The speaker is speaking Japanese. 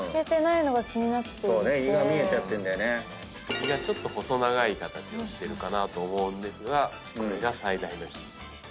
胃がちょっと細長い形をしてるかなと思うんですがこれが最大のヒント。